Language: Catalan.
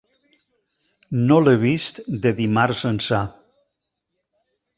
No l'he vist de dimarts ençà.